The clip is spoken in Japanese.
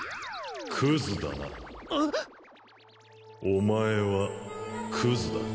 ・お前はクズだ。